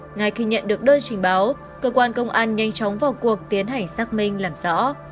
ngay khi nhận được đơn trình báo cơ quan công an nhanh chóng vào cuộc tiến hành xác minh làm rõ